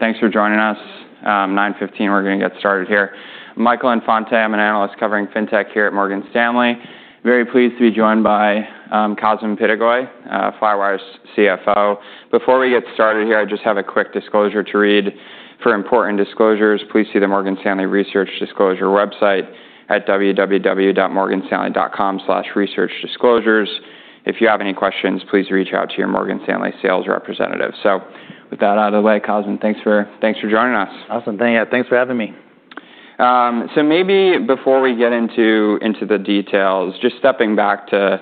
Thanks for joining us. 9:15 A.M., we're gonna get started here. Michael Infante, I'm an analyst covering Fintech here at Morgan Stanley. Very pleased to be joined by Cosmin Pitigoi, Flywire's CFO. Before we get started here, I just have a quick disclosure to read. For important disclosures, please see the Morgan Stanley Research Disclosure website at www.morganstanley.com/researchdisclosures. If you have any questions, please reach out to your Morgan Stanley sales representative. With that out of the way, Cosmin, thanks for joining us. Awesome. Thank you. Thanks for having me. Maybe before we get into the details, just stepping back to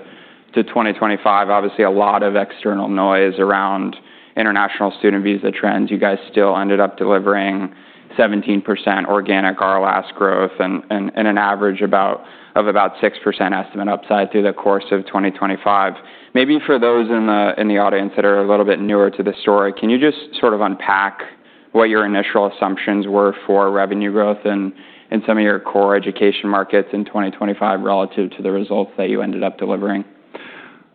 2025, obviously a lot of external noise around international student visa trends. You guys still ended up delivering 17% organic RLAS growth and an average of about 6% estimate upside through the course of 2025. Maybe for those in the audience that are a little bit newer to the story, can you just sort of unpack what your initial assumptions were for revenue growth in some of your core education markets in 2025 relative to the results that you ended up delivering?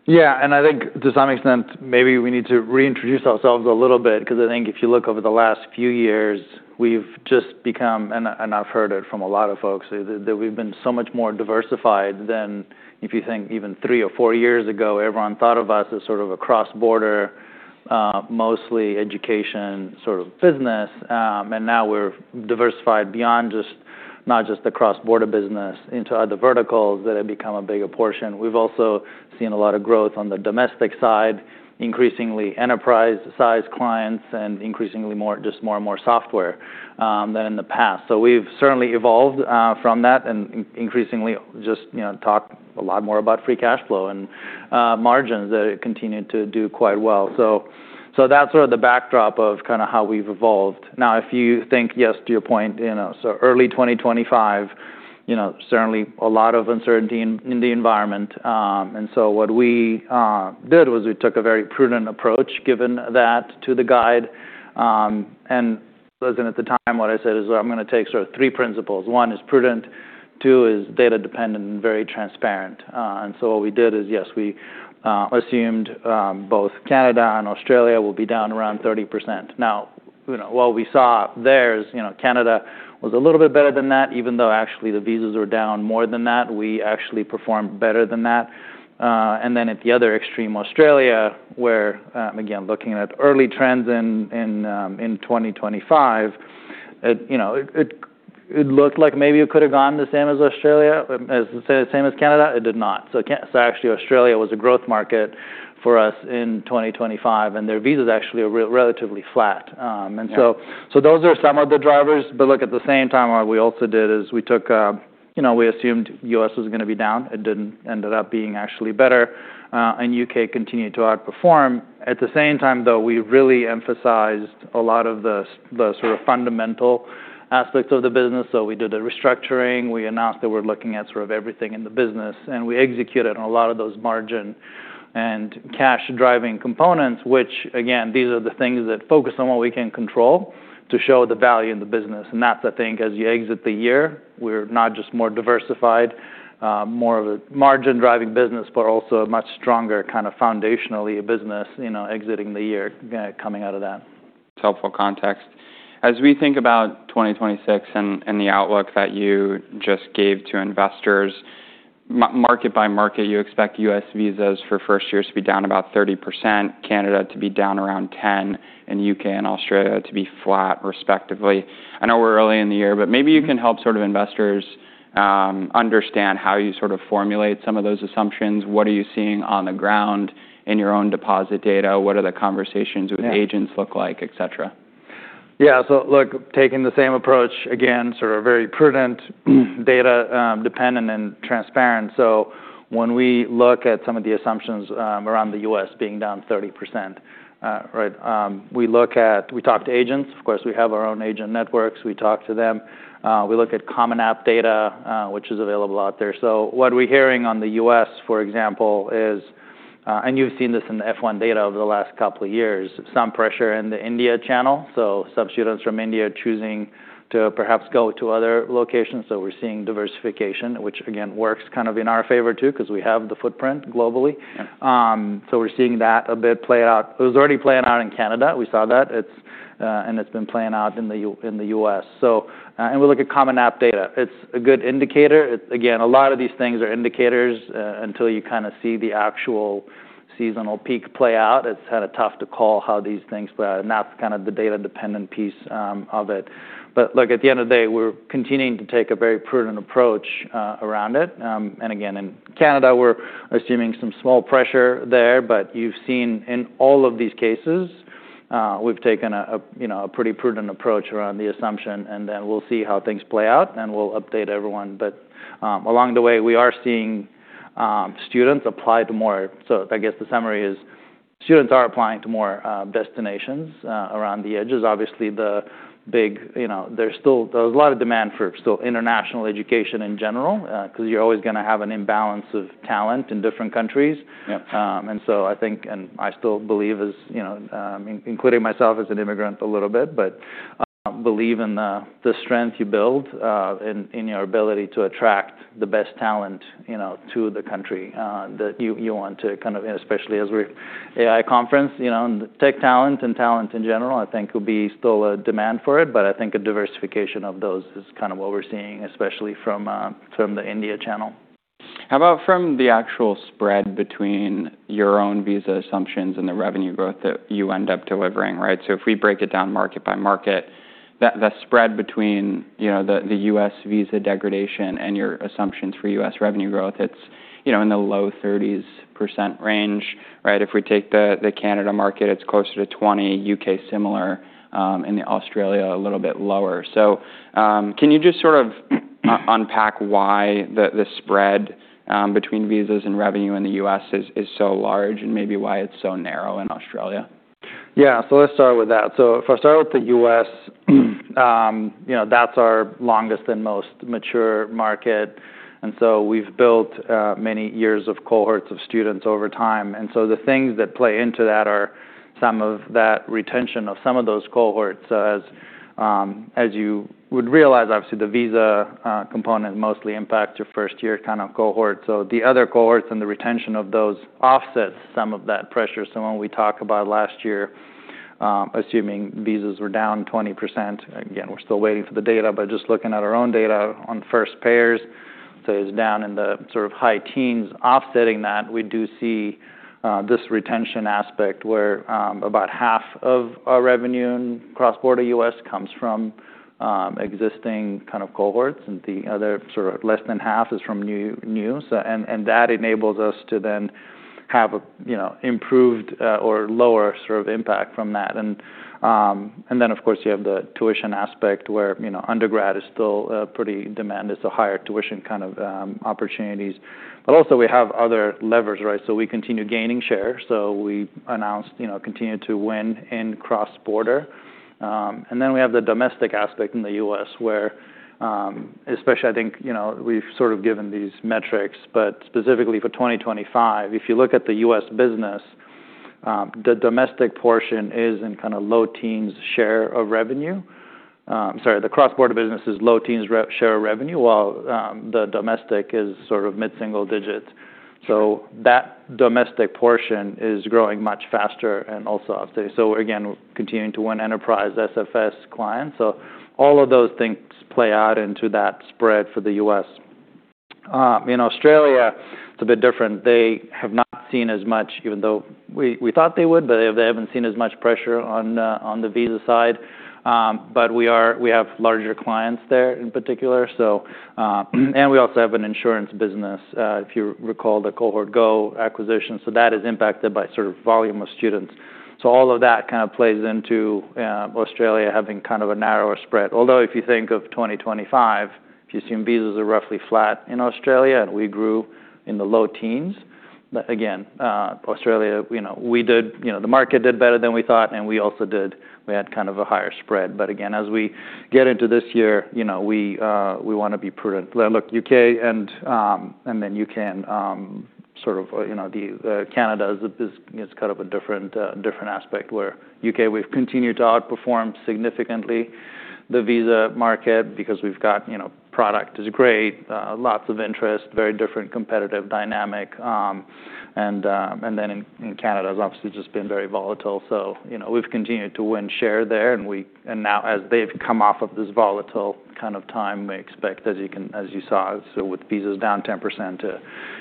Yeah. I think to some extent, maybe we need to reintroduce ourselves a little bit 'cause I think if you look over the last few years, we've just become, and I've heard it from a lot of folks, that we've been so much more diversified than if you think even three or four years ago, everyone thought of us as sort of a cross-border, mostly education sort of business. Now we're diversified beyond not just the cross-border business into other verticals that have become a bigger portion. We've also seen a lot of growth on the domestic side, increasingly enterprise-sized clients, and increasingly more and more software than in the past. We've certainly evolved from that and increasingly, you know, talk a lot more about free cash flow and margins that continue to do quite well. That's sort of the backdrop of kind of how we've evolved. If you think, yes, to your point, you know, early 2025, you know, certainly a lot of uncertainty in the environment. What we did was we took a very prudent approach, given that to the guide, and listen, at the time, what I said is, "Well, I'm gonna take sort of three principles. One is prudent, two is data dependent and very transparent." What we did is, yes, we assumed both Canada and Australia will be down around 30%. You know, what we saw there is, you know, Canada was a little bit better than that, even though actually the visas were down more than that. We actually performed better than that. At the other extreme, Australia, where, again, looking at early trends in 2025, it, you know, it looked like maybe it could have gone the same as Australia, as the same as Canada. It did not. Actually, Australia was a growth market for us in 2025, and their visas actually are relatively flat. Yeah. Those are some of the drivers. Look, at the same time, what we also did is we took, you know, we assumed U.S. was gonna be down. It didn't. Ended up being actually better, and U.K. continued to outperform. At the same time, though, we really emphasized a lot of the sort of fundamental aspects of the business. We did a restructuring. We announced that we're looking at sort of everything in the business, and we executed on a lot of those margin and cash-driving components, which again, these are the things that focus on what we can control to show the value in the business. That's the thing 'cause you exit the year, we're not just more diversified, more of a margin-driving business, but also a much stronger kind of foundationally business, you know, exiting the year, coming out of that. It's helpful context. As we think about 2026 and the outlook that you just gave to investors, market by market, you expect U.S. visas for first years to be down about 30%, Canada to be down around 10%, and U.K. and Australia to be flat, respectively. I know we're early in the year, but maybe you can help sort of investors, understand how you sort of formulate some of those assumptions. What are you seeing on the ground in your own deposit data? What are the conversations. Yeah. with agents look like, et cetera? Yeah. Look, taking the same approach, again, sort of very prudent, data, dependent and transparent. When we look at some of the assumptions, around the U.S. being down 30%, right, we talk to agents. Of course, we have our own agent networks. We talk to them. We look at Common App data, which is available out there. What we're hearing on the U.S., for example, is, and you've seen this in the F1 data over the last couple of years, some pressure in the India channel. Some students from India choosing to perhaps go to other locations. We're seeing diversification, which again, works kind of in our favor too because we have the footprint globally. Yeah. We're seeing that a bit play out. It was already playing out in Canada. We saw that. It's been playing out in the U.S. We look at Common App data. It's a good indicator. It's again, a lot of these things are indicators until you kinda see the actual seasonal peak play out. It's kinda tough to call how these things play out, and that's kind of the data-dependent piece of it. Look, at the end of the day, we're continuing to take a very prudent approach around it. Again, in Canada, we're assuming some small pressure there, but you've seen in all of these cases, we've taken a, you know, a pretty prudent approach around the assumption, then we'll see how things play out, and we'll update everyone. Along the way, we are seeing students apply to more. I guess the summary is students are applying to more destinations around the edges. Obviously, the big, you know, there's a lot of demand for still international education in general, 'cause you're always gonna have an imbalance of talent in different countries. Yeah. I think, and I still believe as, you know, including myself as an immigrant a little bit, but I believe in the strength you build in your ability to attract the best talent, you know, to the country that you want to kind of, especially as we're AI conference, you know, and tech talent and talent in general, I think, will be still a demand for it. I think a diversification of those is kind of what we're seeing, especially from the India channel. How about from the actual spread between your own visa assumptions and the revenue growth that you end up delivering, right? If we break it down market by market, the spread between, you know, the U.S. visa degradation and your assumptions for U.S. revenue growth, it's, you know, in the low 30% range, right? If we take the Canada market, it's closer to 20, U.K. similar, and the Australia a little bit lower. Can you just sort of unpack why the spread between visas and revenue in the U.S. is so large and maybe why it's so narrow in Australia? Yeah. Let's start with that. If I start with the U.S., you know, that's our longest and most mature market. We've built many years of cohorts of students over time. The things that play into that are some of that retention of some of those cohorts. As you would realize, obviously, the visa component mostly impacts your first year kind of cohort. The other cohorts and the retention of those offsets some of that pressure. When we talk about last year, assuming visas were down 20%, again, we're still waiting for the data, but just looking at our own data on first payers, so it's down in the sort of high teens. Offsetting that, we do see this retention aspect where about half of our revenue in cross-border U.S. comes from existing kind of cohorts, and the other sort of less than half is from new. That enables us to then have, you know, improved, or lower sort of impact from that. Then, of course, you have the tuition aspect where, you know, undergrad is still pretty demand. It's a higher tuition kind of opportunities. Also we have other levers, right? We continue gaining share. We announced, you know, continue to win in cross-border. Then we have the domestic aspect in the US where, especially I think, you know, we've sort of given these metrics, but specifically for 2025, if you look at the US business, the domestic portion is in kind of low-teens share of revenue. Sorry, the cross-border business is low-teens re-share of revenue, while the domestic is sort of mid-single-digits. That domestic portion is growing much faster and also upstate. Again, we're continuing to win enterprise SFS clients. All of those things play out into that spread for the US. In Australia, it's a bit different. They have not seen as much even though we thought they would, but they haven't seen as much pressure on the visa side. We have larger clients there in particular. And we also have an insurance business, if you recall the Cohort Go acquisition. That is impacted by sort of volume of students. All of that kind of plays into Australia having kind of a narrower spread. Although if you think of 2025, if you've seen visas are roughly flat in Australia and we grew in the low teens. Again, Australia, you know, the market did better than we thought, and we also did. We had kind of a higher spread. Again, as we get into this year, you know, we wanna be prudent. Look, U.K. and then U.K. and, sort of, you know, the Canada is, you know, it's kind of a different aspect where U.K. we've continued to outperform significantly the visa market because we've got, you know, product is great, lots of interest, very different competitive dynamic, and then in Canada has obviously just been very volatile. You know, we've continued to win share there, and now as they've come off of this volatile kind of time, we expect, as you saw, so with visas down 10%, to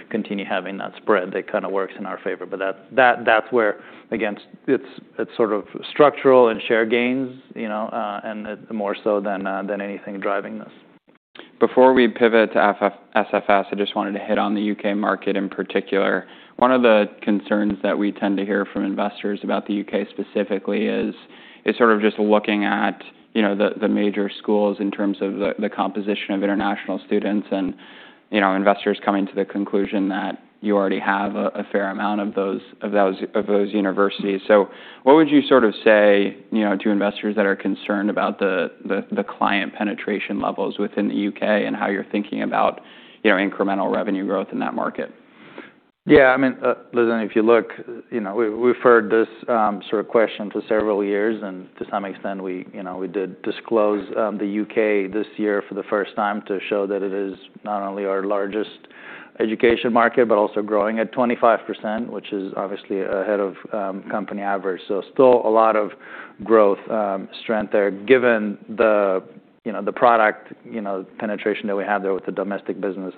continue having that spread, that kind of works in our favor. That's where, again, it's sort of structural and share gains, you know, and the more so than anything driving this. Before we pivot to F- SFS, I just wanted to hit on the U.K. market in particular. One of the concerns that we tend to hear from investors about the U.K. specifically is sort of just looking at, you know, the major schools in terms of the composition of international students and, you know, investors coming to the conclusion that you already have a fair amount of those universities. What would you sort of say, you know, to investors that are concerned about the, the client penetration levels within the U.K. and how you're thinking about, you know, incremental revenue growth in that market? Yeah. I mean, listen, if you look, you know, we've heard this, sort of question for several years. To some extent we, you know, we did disclose, the U.K. this year for the first time to show that it is not only our largest education market, but also growing at 25%, which is obviously ahead of, company average. Still a lot of growth, strength there given the, you know, the product, you know, penetration that we have there with the domestic business.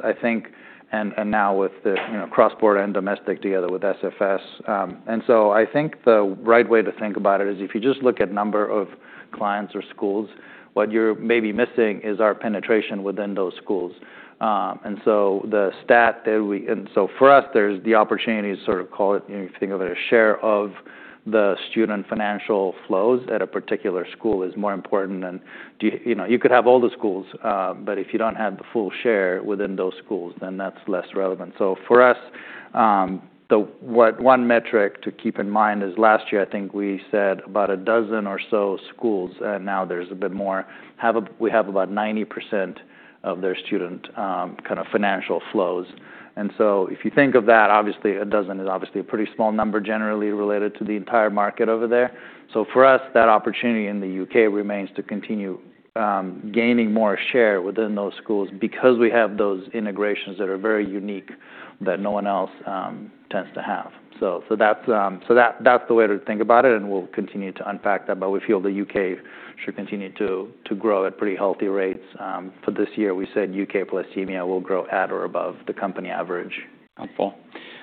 Now with the, you know, cross-border and domestic together with SFS. I think the right way to think about it is if you just look at number of clients or schools, what you're maybe missing is our penetration within those schools. The stat that we. For us, there's the opportunity to sort of call it, you know, if you think of it, a share of the student financial flows at a particular school is more important than You know, you could have all the schools, but if you don't have the full share within those schools, then that's less relevant. For us. The what one metric to keep in mind is last year, I think we said about a dozen or so schools, and now there's a bit more. We have about 90% of their student, kind of financial flows. If you think of that, obviously, a dozen is obviously a pretty small number generally related to the entire market over there. For us, that opportunity in the U.K. remains to continue, gaining more share within those schools because we have those integrations that are very unique that no one else, tends to have. That's the way to think about it, and we'll continue to unpack that. We feel the U.K. should continue to grow at pretty healthy rates. For this year, we said U.K. plus EMEA will grow at or above the company average. Helpful.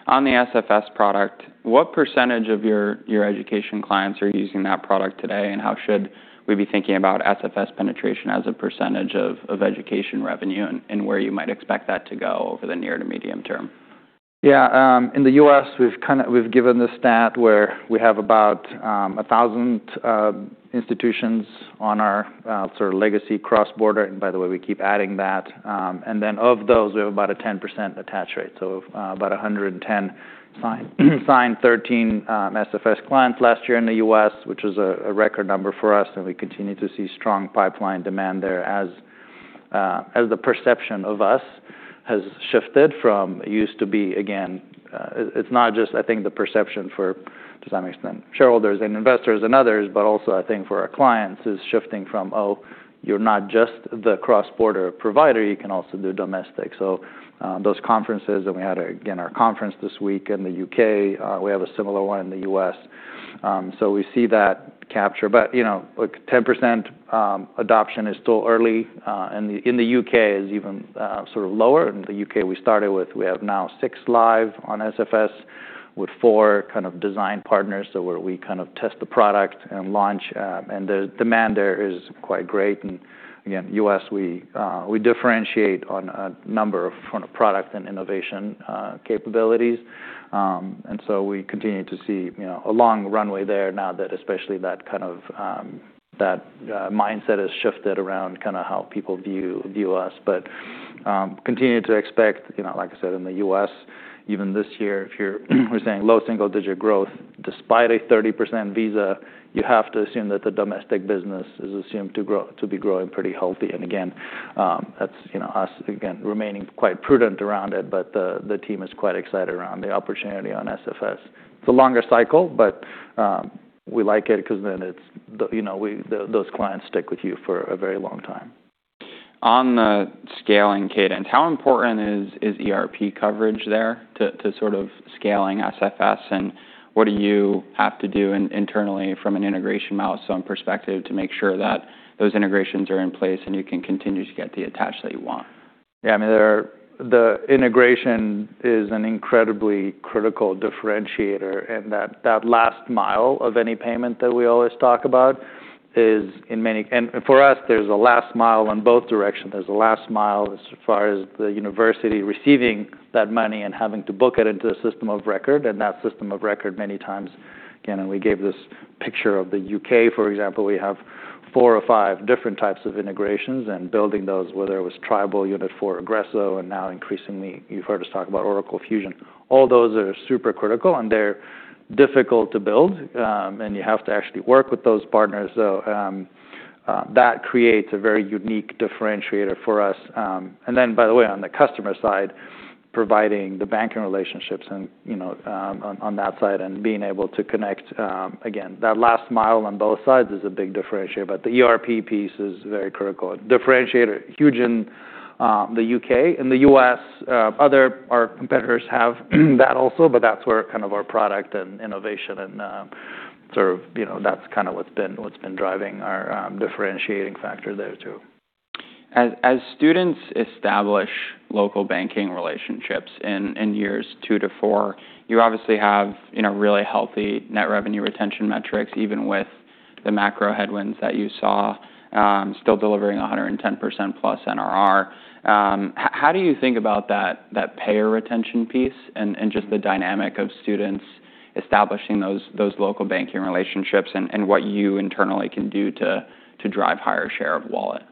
On the SFS product, what % of your education clients are using that product today, and how should we be thinking about SFS penetration as a % of education revenue and where you might expect that to go over the near to medium term? Yeah. In the U.S., we've given the stat where we have about 1,000 institutions on our sort of legacy cross-border. By the way, we keep adding that. Then of those, we have about a 10% attach rate. About 110 signed 13 SFS clients last year in the U.S., which is a record number for us, and we continue to see strong pipeline demand there as the perception of us has shifted from it used to be again, it's not just I think the perception for, to some extent, shareholders and investors and others, but also I think for our clients is shifting from, oh, you're not just the cross-border provider, you can also do domestic. Those conferences, and we had, again, our conference this week in the U.K., we have a similar one in the U.S., so we see that capture. You know, look, 10%, adoption is still early, and in the U.K. is even sort of lower. In the U.K., we started with, we have now six live on SFS with four kind of design partners. Where we kind of test the product and launch, and the demand there is quite great. Again, U.S., we differentiate on a number of, kind of product and innovation, capabilities. We continue to see, you know, a long runway there now that especially that kind of, that, mindset has shifted around kind of how people view us. Continue to expect, you know, like I said, in the U.S., even this year, if you're, we're saying low single-digit growth despite a 30% visa, you have to assume that the domestic business is assumed to be growing pretty healthy. Again, that's, you know, us again remaining quite prudent around it, but the team is quite excited around the opportunity on SFS. It's a longer cycle, but we like it 'cause then it's, you know, those clients stick with you for a very long time. On the scaling cadence, how important is ERP coverage there to sort of scaling SFS, and what do you have to do internally from an integration milestone perspective to make sure that those integrations are in place and you can continue to get the attach that you want? Yeah. I mean, the integration is an incredibly critical differentiator, and that last mile of any payment that we always talk about is in many... For us, there's a last mile in both directions. There's a last mile as far as the university receiving that money and having to book it into a system of record, and that system of record many times, again, and we gave this picture of the U.K., for example. We have four or five different types of integrations and building those, whether it was Tribal, Unit4, Agresso, and now increasingly you've heard us talk about Oracle Fusion. All those are super critical, and they're difficult to build, and you have to actually work with those partners. That creates a very unique differentiator for us. Then by the way, on the customer side, providing the banking relationships and, you know, on that side and being able to connect, again, that last mile on both sides is a big differentiator, but the ERP piece is very critical. Differentiator huge in the U.K. In the U.S., our competitors have that also, but that's where kind of our product and innovation and, sort of, you know, that's kind of what's been, what's been driving our differentiating factor there too. As students establish local banking relationships in years two to four, you obviously have, you know, really healthy net revenue retention metrics, even with the macro headwinds that you saw, still delivering 110% plus NRR. How do you think about that payer retention piece and just the dynamic of students establishing those local banking relationships and what you internally can do to drive higher share of wallet?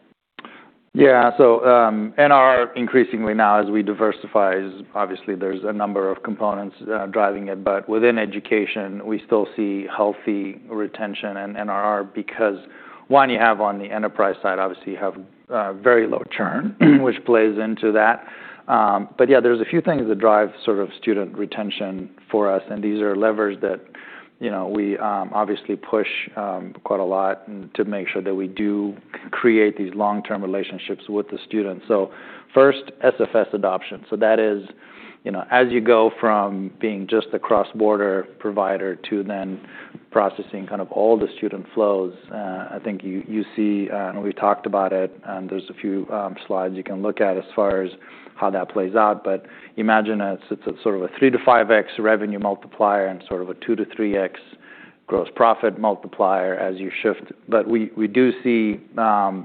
Yeah. NRR increasingly now as we diversify is obviously there's a number of components driving it. Within education we still see healthy retention and NRR because, one, you have on the enterprise side, obviously you have very low churn which plays into that. There's a few things that drive sort of student retention for us, and these are levers that, you know, we obviously push quite a lot to make sure that we do create these long-term relationships with the students. First, SFS adoption. That is, you know, as you go from being just a cross-border provider to then processing kind of all the student flows, I think you see, and we talked about it, and there's a few slides you can look at as far as how that plays out. Imagine it's a sort of a 3-5x revenue multiplier and sort of a 2-3x gross profit multiplier as you shift. We do see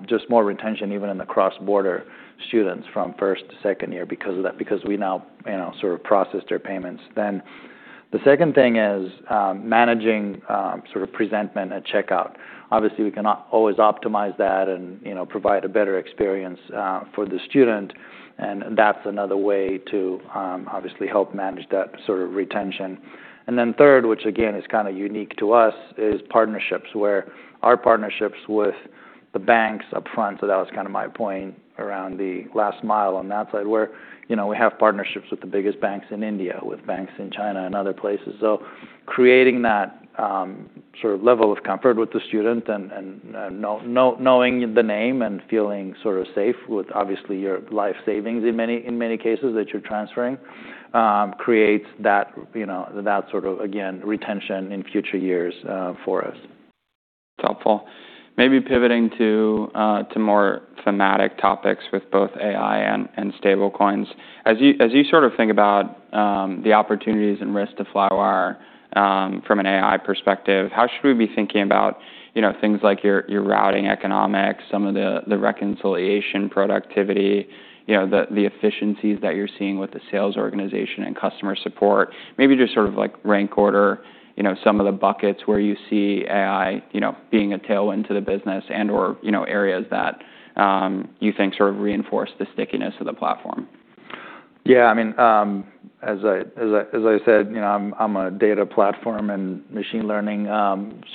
just more retention even in the cross-border students from first to second year because of that, because we now, you know, sort of processed their payments then. The second thing is managing sort of presentment at checkout. Obviously, we cannot always optimize that and, you know, provide a better experience for the student, and that's another way to obviously help manage that sort of retention. Third, which again is kinda unique to us, is partnerships, where our partnerships with the banks up front. That was kinda my point around the last mile on that side, where, you know, we have partnerships with the biggest banks in India, with banks in China and other places. Creating that sort of level of comfort with the student and knowing the name and feeling sort of safe with obviously your life savings in many cases that you're transferring, creates that, you know, that sort of, again, retention in future years for us. Helpful. Maybe pivoting to more thematic topics with both AI and stablecoins. As you sort of think about, the opportunities and risks to Flywire, from an AI perspective, how should we be thinking about, you know, things like your routing economics, some of the reconciliation productivity, you know, the efficiencies that you're seeing with the sales organization and customer support. Maybe just sort of like rank order, you know, some of the buckets where you see AI, you know, being a tailwind to the business and/or, you know, areas that, you think sort of reinforce the stickiness of the platform. Yeah. I mean, as I, as I, as I said, you know, I'm a data platform and machine learning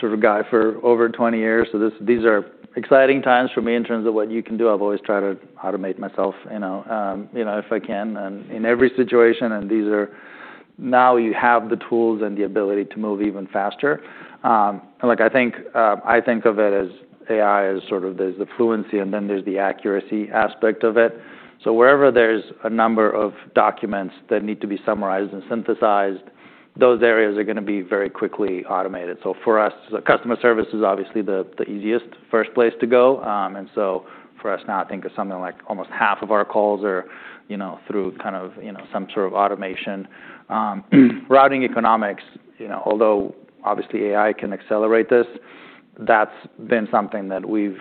sort of guy for over 20 years. These are exciting times for me in terms of what you can do. I've always tried to automate myself, you know, if I can and in every situation, and these are. Now you have the tools and the ability to move even faster. Look, I think, I think of it as AI as sort of there's the fluency and then there's the accuracy aspect of it. Wherever there's a number of documents that need to be summarized and synthesized, those areas are gonna be very quickly automated. For us, the customer service is obviously the easiest first place to go. For us now, I think of something like almost half of our calls are, you know, through kind of, you know, some sort of automation. Routing economics, you know, although obviously AI can accelerate this, that's been something that we've,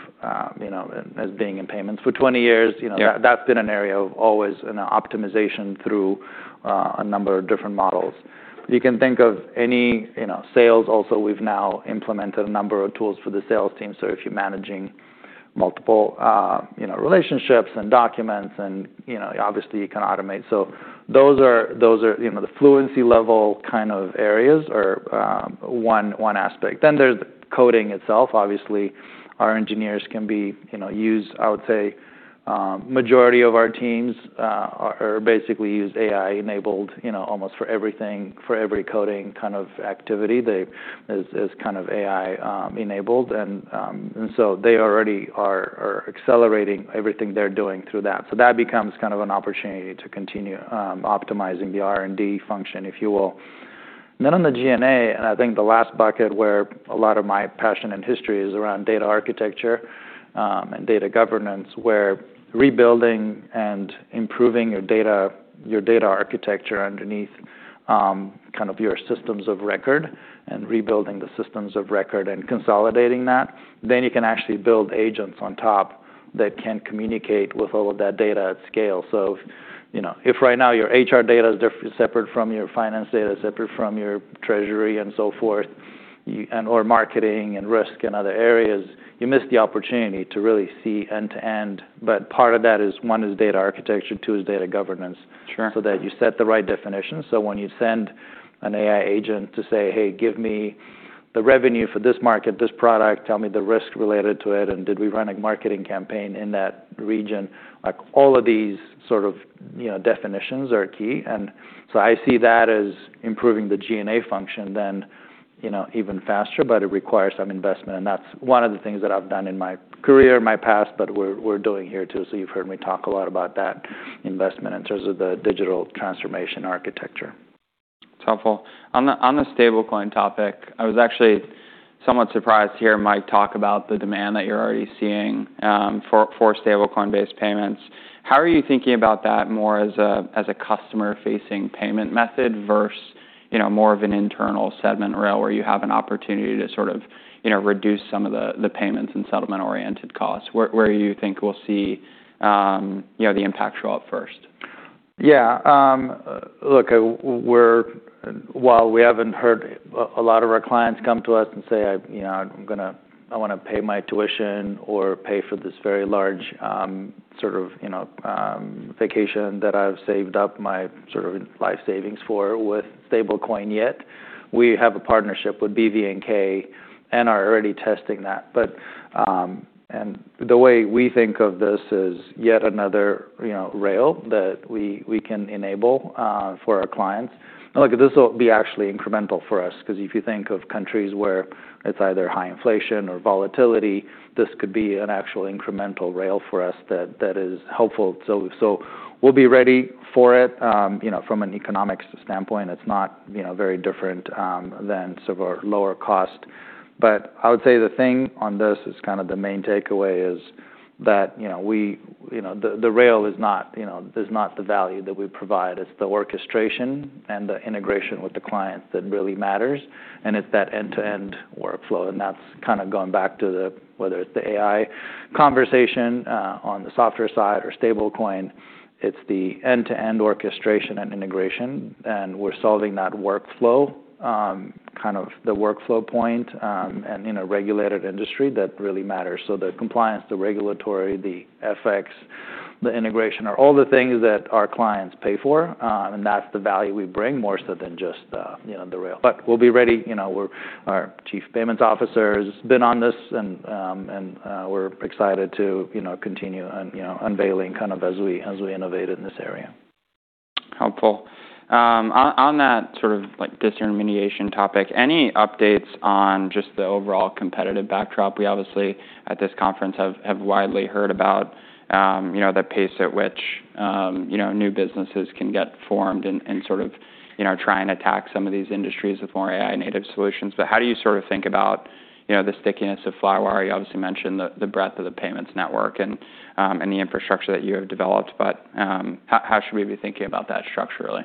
you know, as being in payments for 20 years, you know... Yeah that's been an area of always an optimization through a number of different models. You can think of any, you know, sales also, we've now implemented a number of tools for the sales team. If you're managing multiple, you know, relationships and documents and, you know, obviously you can automate. Those are, you know, the fluency level kind of areas or one aspect. Then there's coding itself. Obviously, our engineers can be, you know, used I would say, majority of our teams are basically used AI-enabled, you know, almost for everything, for every coding kind of activity. is kind of AI enabled. They already are accelerating everything they're doing through that. That becomes kind of an opportunity to continue, optimizing the R&D function, if you will. On the G&A, I think the last bucket where a lot of my passion and history is around data architecture, and data governance, where rebuilding and improving your data, your data architecture underneath, kind of your systems of record and rebuilding the systems of record and consolidating that, you can actually build agents on top that can communicate with all of that data at scale. You know, if right now your HR data is separate from your finance data, separate from your treasury and so forth, or marketing and risk in other areas, you miss the opportunity to really see end-to-end. Part of that is, one is data architecture, two is data governance. Sure. That you set the right definition. When you send an AI agent to say, "Hey, give me the revenue for this market, this product, tell me the risk related to it, and did we run a marketing campaign in that region?" Like, all of these sort of, you know, definitions are key. I see that as improving the G&A function then, you know, even faster, but it requires some investment. That's one of the things that I've done in my career, my past, but we're doing here too. You've heard me talk a lot about that investment in terms of the digital transformation architecture. It's helpful. On the stablecoin topic, I was actually somewhat surprised to hear Mike talk about the demand that you're already seeing, for stablecoin-based payments. How are you thinking about that more as a, as a customer-facing payment method versus, you know, more of an internal settlement rail where you have an opportunity to sort of, you know, reduce some of the payments and settlement-oriented costs? Where do you think we'll see, you know, the impact show up first? Yeah. Look, while we haven't heard a lot of our clients come to us and say, you know, "I wanna pay my tuition or pay for this very large, sort of, you know, vacation that I've saved up my sort of life savings for with stablecoin yet," we have a partnership with BVNK and are already testing that. The way we think of this is yet another, you know, rail that we can enable for our clients. Look, this will be actually incremental for us 'cause if you think of countries where it's either high inflation or volatility, this could be an actual incremental rail for us that is helpful. We'll be ready for it. You know, from an economics standpoint, it's not, you know, very different than sort of our lower cost. I would say the thing on this is kind of the main takeaway is that, you know, the rail is not, you know, the value that we provide, it's the orchestration and the integration with the client that really matters, and it's that end-to-end workflow. That's kinda going back to the, whether it's the AI conversation on the software side or stablecoin, it's the end-to-end orchestration and integration, and we're solving that workflow, kind of the workflow point, and in a regulated industry that really matters. The compliance, the regulatory, the FX, the integration are all the things that our clients pay for, and that's the value we bring more so than just, you know, the rail. We'll be ready. You know, our chief payments officer has been on this and we're excited to, you know, continue you know, unveiling kind of as we, as we innovate in this area. Helpful. On that sort of, like, disintermediation topic, any updates on just the overall competitive backdrop? We obviously, at this conference, have widely heard about, you know, the pace at which, you know, new businesses can get formed and sort of, you know, try and attack some of these industries with more AI-native solutions. How do you sort of think about, you know, the stickiness of Flywire? You obviously mentioned the breadth of the payments network and the infrastructure that you have developed, but, how should we be thinking about that structurally?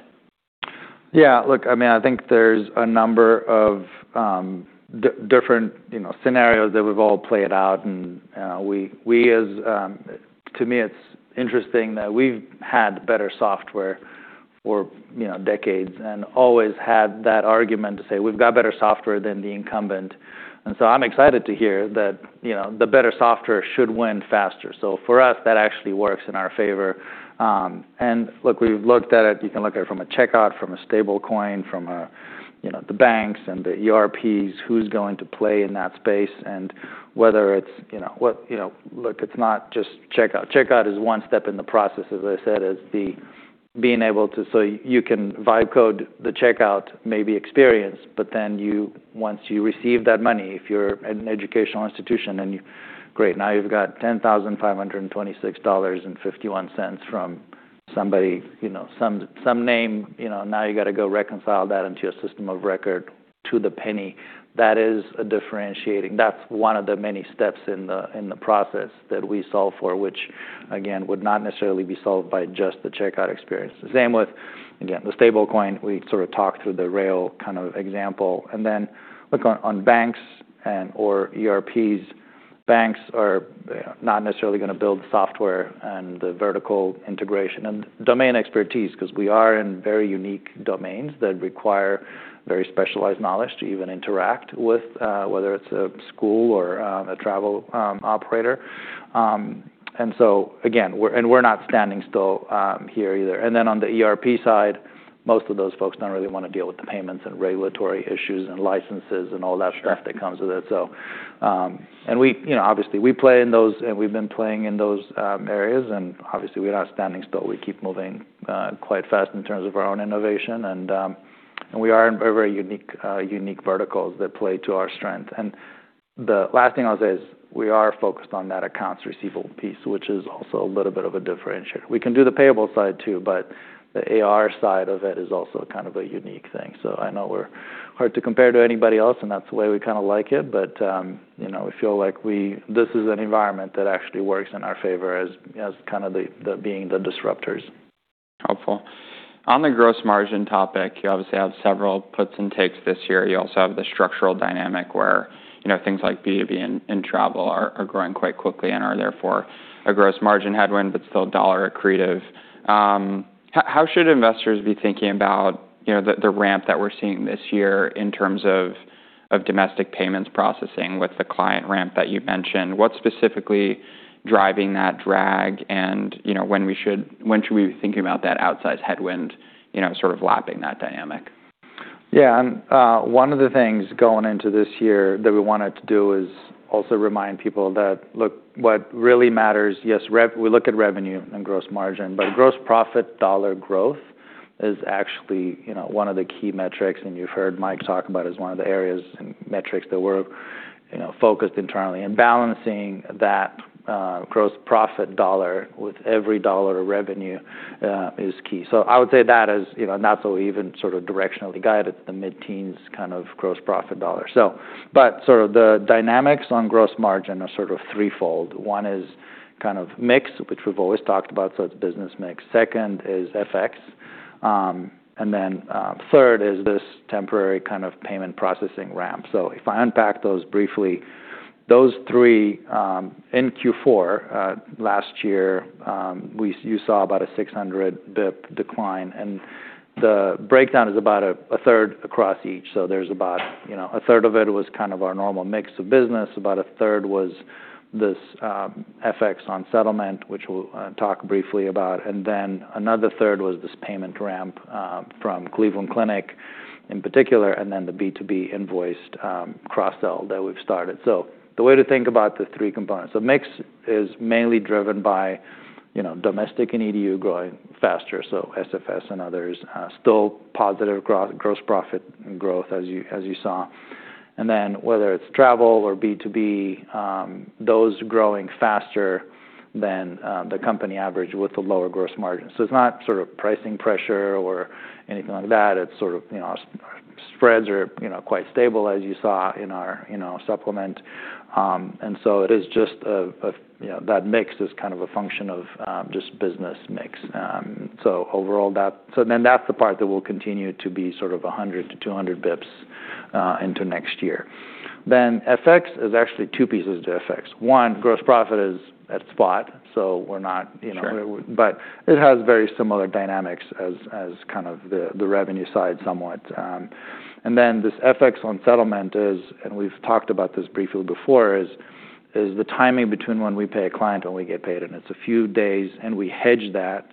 Look, I mean, I think there's a number of different, you know, scenarios that we've all played out. To me, it's interesting that we've had better software for, you know, decades and always had that argument to say, "We've got better software than the incumbent." I'm excited to hear that, you know, the better software should win faster. For us, that actually works in our favor. We've looked at it. You can look at it from a checkout, from a stablecoin, from a, you know, the banks and the ERPs, who's going to play in that space. Look, it's not just checkout. Checkout is one step in the process, as I said, you can white-label the checkout maybe experience, once you receive that money, if you're an educational institution, Great, now you've got $10,526.51 from somebody, you know, some name. You know, you gotta go reconcile that into your system of record to the penny. That is a differentiating. That's one of the many steps in the process that we solve for, which, again, would not necessarily be solved by just the checkout experience. The same with, again, the stablecoin. We sort of talked through the rail kind of example. Look on banks and/or ERPs. Banks are not necessarily gonna build software and the vertical integration and domain expertise, 'cause we are in very unique domains that require very specialized knowledge to even interact with, whether it's a school or a travel operator. Again, we're not standing still here either. On the ERP side, most of those folks don't really wanna deal with the payments and regulatory issues and licenses and all that stuff that comes with it. We, you know, obviously we play in those and we've been playing in those areas, and obviously we're not standing still. We keep moving quite fast in terms of our own innovation and we are in very unique unique verticals that play to our strength. The last thing I'll say is we are focused on that accounts receivable piece, which is also a little bit of a differentiator. We can do the payable side too, but the AR side of it is also kind of a unique thing. I know we're hard to compare to anybody else, and that's the way we kinda like it. You know, we feel like this is an environment that actually works in our favor as kind of the being the disruptors. Helpful. On the gross margin topic, you obviously have several puts and takes this year. You also have the structural dynamic where, you know, things like B2B and travel are growing quite quickly and are therefore a gross margin headwind, but still dollar accretive. How, how should investors be thinking about, you know, the ramp that we're seeing this year in terms of domestic payments processing with the client ramp that you mentioned? What's specifically driving that drag? You know, when should we be thinking about that outsized headwind, you know, sort of lapping that dynamic? Yeah. One of the things going into this year that we wanted to do is also remind people that, look, what really matters, yes, we look at revenue and gross margin, but gross profit dollar growth is actually, you know, one of the key metrics, and you've heard Mike talk about as one of the areas and metrics that we're, you know, focused internally. Balancing that, gross profit dollar with every dollar of revenue, is key. I would say that is, you know, not so even sort of directionally guided, the mid-teens kind of gross profit dollar. But sort of the dynamics on gross margin are sort of threefold. One is kind of mix, which we've always talked about, so it's business mix. Second is FX. Then, third is this temporary kind of payment processing ramp. If I unpack those briefly, those three, in Q4 last year, you saw about a 600 bps decline, and the breakdown is about a third across each. There's about, you know, a third of it was kind of our normal mix of business. About a third was this FX on settlement, which we'll talk briefly about. Another third was this payment ramp from Cleveland Clinic in particular, and the B2B Invoiced cross-sell that we've started. The way to think about the three components. Mix is mainly driven by, you know, domestic and EDU growing faster, SFS and others. Still positive gross profit growth as you saw. Whether it's travel or B2B, those growing faster than the company average with the lower gross margin. It's not sort of pricing pressure or anything like that. It's sort of, you know. Spreads are, you know, quite stable as you saw in our, you know, supplement. It is just, you know, that mix is kind of a function of just business mix. Overall that... That's the part that will continue to be sort of 100 to 200 bps into next year. FX, there's actually two pieces to FX. One, gross profit is at spot, so we're not, you know. Sure. It has very similar dynamics as kind of the revenue side somewhat. This FX on settlement is, and we've talked about this briefly before, is the timing between when we pay a client and we get paid, and it's a few days, and we hedge that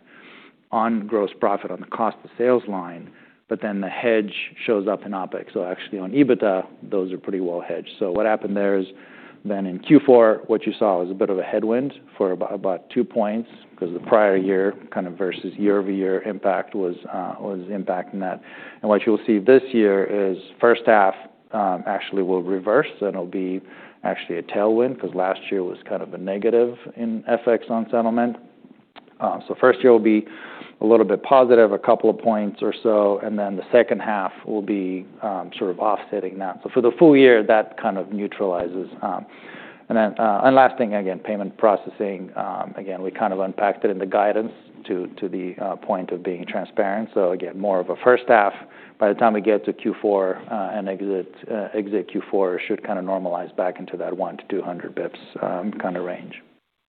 on gross profit on the cost of sales line, but then the hedge shows up in OpEx. Actually on EBITDA, those are pretty well hedged. What happened there is then in Q4, what you saw was a bit of a headwind for about two points 'cause the prior year kind of versus year-over-year impact was impacting that. What you'll see this year is first half actually will reverse, and it'll be actually a tailwind 'cause last year was kind of a negative in FX on settlement. First year will be a little bit positive, a couple of points or so, and then the second half will be sort of offsetting that. For the full year, that kind of neutralizes. Last thing, again, payment processing, again, we kind of unpacked it in the guidance to the point of being transparent. Again, more of a first half. By the time we get to Q4 and exit Q4 should kinda normalize back into that 100-200 bps kinda range.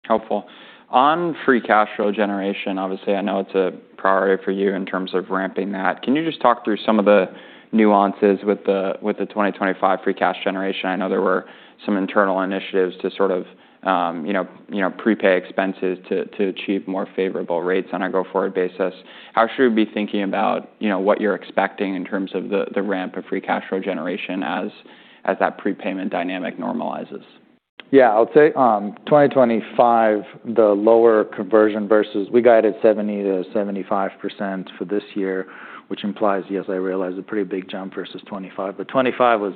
Helpful. On free cash flow generation, obviously I know it's a priority for you in terms of ramping that. Can you just talk through some of the nuances with the 2025 free cash generation? I know there were some internal initiatives to sort of, you know, prepay expenses to achieve more favorable rates on a go-forward basis. How should we be thinking about, you know, what you're expecting in terms of the ramp of free cash flow generation as that prepayment dynamic normalizes? Yeah. I would say, 2025, the lower conversion versus we guided 70%-75% for this year, which implies, yes, I realize a pretty big jump versus 2025. 2025 was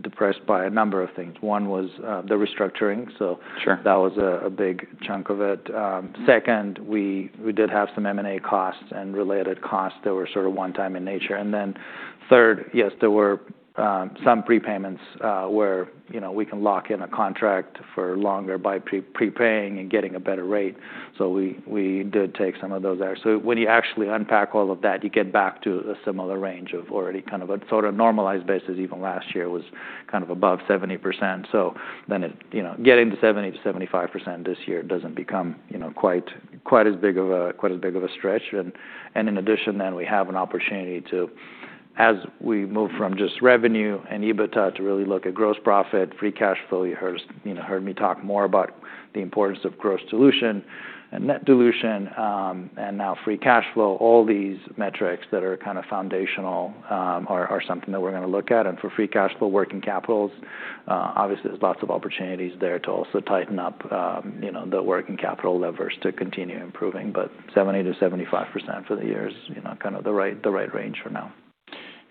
depressed by a number of things. One was the restructuring. Sure... that was a big chunk of it. Second, we did have some M&A costs and related costs that were sort of one-time in nature. There were, you know, some prepayments where, you know, we can lock in a contract for longer by prepaying and getting a better rate. We, we did take some of those there. You get back to a similar range of already kind of a sort of normalized basis, even last year was kind of above 70%. It, you know, getting to 70%-75% this year doesn't become, you know, quite as big of a stretch. In addition, we have an opportunity to, as we move from just revenue and EBITDA to really look at gross profit, free cash flow, you know, heard me talk more about the importance of gross dilution and net dilution, and now free cash flow. All these metrics that are kind of foundational, are something that we're gonna look at. For free cash flow, working capitals, obviously there's lots of opportunities there to also tighten up, you know, the working capital levers to continue improving. 70%-75% for the year is, you know, kind of the right, the right range for now.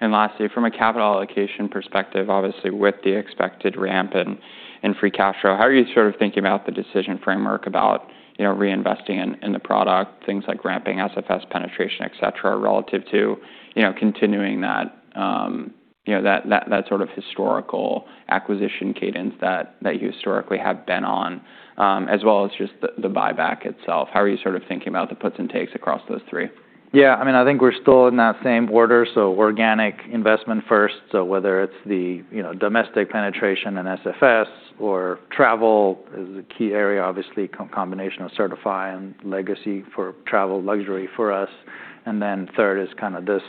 Lastly, from a capital allocation perspective, obviously with the expected ramp in free cash flow, how are you sort of thinking about the decision framework about, you know, reinvesting in the product, things like ramping SFS penetration, et cetera, relative to, you know, continuing that, you know, that sort of historical acquisition cadence that you historically have been on, as well as just the buyback itself? How are you sort of thinking about the puts and takes across those three? Yeah. I mean, I think we're still in that same order, organic investment first. Whether it's the, you know, domestic penetration and SFS or travel is a key area, obviously combination of Certify and Legacy for travel luxury for us. Third is kinda this,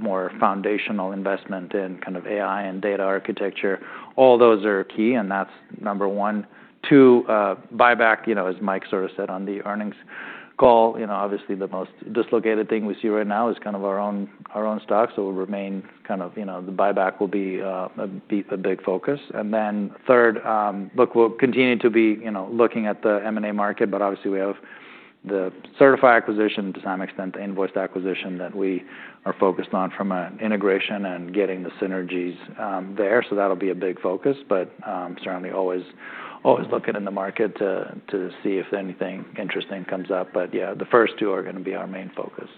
more foundational investment in kind of AI and data architecture. All those are key, that's number one. Two, buyback, you know, as Mike sort of said on the earnings call. You know, obviously the most dislocated thing we see right now is kind of our own, our own stock, we'll remain kind of, you know, the buyback will be a big focus. Third, look, we'll continue to be, you know, looking at the M&A market, obviously we have the Certify acquisition, to some extent the Invoiced acquisition that we are focused on from an integration and getting the synergies, there. That'll be a big focus. Certainly always looking in the market to see if anything interesting comes up. Yeah, the first two are gonna be our main focus.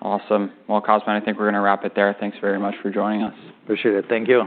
Awesome. Well, Cosmin, I think we're gonna wrap it there. Thanks very much for joining us. Appreciate it. Thank you.